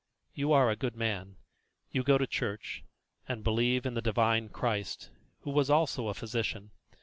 You are a good man; you go to church, and believe in the Divine Christ, who was also a physician.